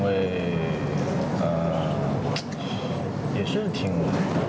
เยี่ยม